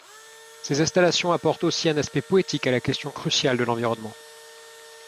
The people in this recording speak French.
Ses installations apportent aussi un aspect poétique à la question cruciale de l’environnement.